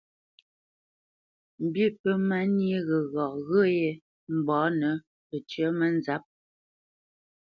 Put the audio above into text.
Mbî pə́ nyê ghəgha ghyə́yé mba nə̂ pəcyə́ mənzǎp.